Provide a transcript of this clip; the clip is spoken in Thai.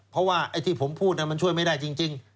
เพราะว่าไอ้ที่ผมพูดมันช่วยไม่ได้จริง